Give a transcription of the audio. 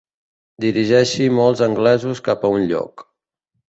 Dirigeixi molts anglesos cap a un lloc.